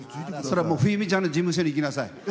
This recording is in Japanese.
冬美ちゃんの事務所に行きなさい。